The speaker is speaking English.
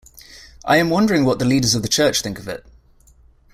I am wondering what the leaders of the Church think of it.